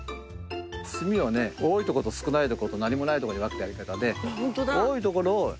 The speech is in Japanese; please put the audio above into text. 炭をね多いところと少ないところと何もないところに分けたやり方で。